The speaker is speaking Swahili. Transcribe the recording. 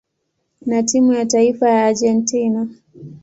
na timu ya taifa ya Argentina.